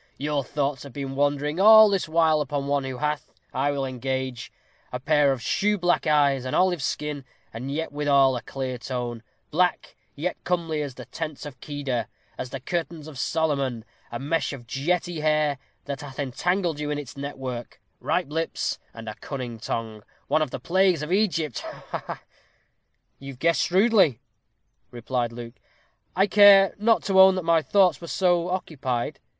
Your thoughts have been wandering all this while upon one who hath, I will engage, a pair of sloe black eyes, an olive skin, and yet withal a clear one 'black, yet comely, as the tents of Kedar, as the curtains of Solomon' a mesh of jetty hair, that hath entangled you in its network ripe lips, and a cunning tongue one of the plagues of Egypt. Ha, ha!" "You have guessed shrewdly," replied Luke; "I care not to own that my thoughts were so occupied."